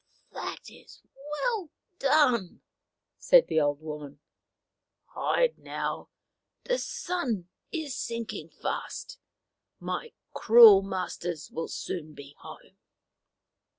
That is well done," said the old woman. Hide now. The sun is sinking fast ; my cruel masters will soon come home."